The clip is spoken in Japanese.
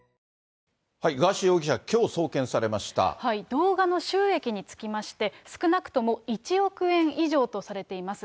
動画の収益につきまして、少なくとも１億円以上とされています。